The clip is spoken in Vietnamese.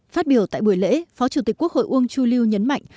phát biểu tại buổi lễ phó chủ tịch quốc hội uông chu lưu nhấn mạnh